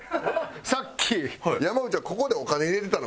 山内はここでお金入れてたの。